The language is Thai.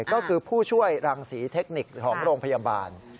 ก็คือผู้ช่วยรังศรีเทคนิคของโรงพยาบาล